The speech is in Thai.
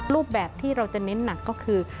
รูปแบบที่เราจะเน้นหนักก็คือ